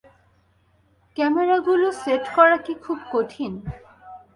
ক্যামেরাগুলো set করা কি খুব কঠিন?